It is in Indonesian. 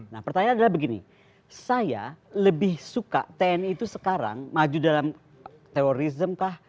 nah pertanyaan adalah begini saya lebih suka tni itu sekarang maju dalam terorisme kah